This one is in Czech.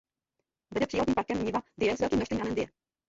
Vede Přírodním parkem Niva Dyje s velkým množstvím ramen Dyje.